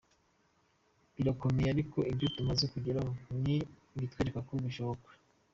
Birakomeye ariko ibyo tumaze kugeraho ni ibitwereka ko bishoboka.